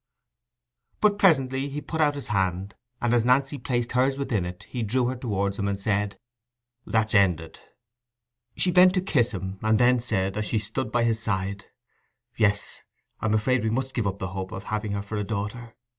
But presently he put out his hand, and as Nancy placed hers within it, he drew her towards him, and said— "That's ended!" She bent to kiss him, and then said, as she stood by his side, "Yes, I'm afraid we must give up the hope of having her for a daughter.